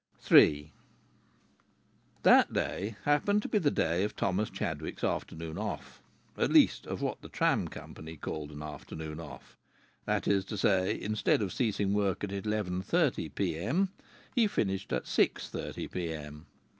III That day happened to be the day of Thomas Chadwick's afternoon off; at least, of what the tram company called an afternoon off. That is to say, instead of ceasing work at eleven thirty p.m. he finished at six thirty p.m.